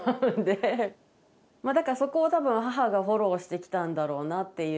まあだからそこを多分母がフォローしてきたんだろうなっていう